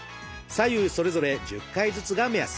左右それぞれ１０回ずつが目安。